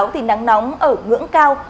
thì nắng nóng ở ngưỡng cao